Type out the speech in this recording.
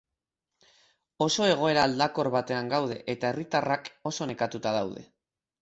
Oso egoera aldakor batean gaude, eta herritarrak oso nekatuta daude.